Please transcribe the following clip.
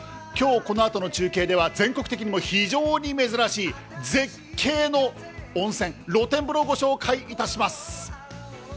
今日、このあとの中継では全国的にも非常に珍しい絶景の温泉、露天風呂をご紹介します。